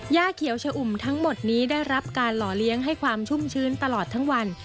เขียวชะอุ่มทั้งหมดนี้ได้รับการหล่อเลี้ยงให้ความชุ่มชื้นตลอดทั้งวัน